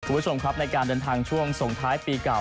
สวัสดีผู้ชมในการเดินทางช่วงส่งท้ายปีเก่า